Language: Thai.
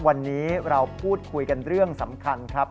วันนี้เราพูดคุยกันเรื่องสำคัญครับ